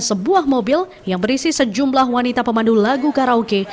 dan sebuah mobil yang berisi sejumlah wanita pemandu lagu karaoke